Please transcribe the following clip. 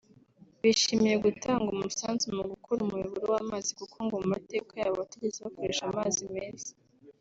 Bishimiye gutanga umusanzu mu gukora umuyoboro w’amazi kuko ngo mu mateka yabo batigeze bakoresha amazi meza